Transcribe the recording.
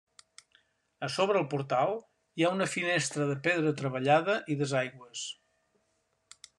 A sobre el portal hi ha una finestra de pedra treballada i desaigües.